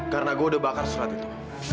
karena gue udah bakar surat itu